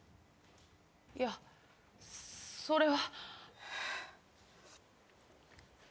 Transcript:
いやそれは。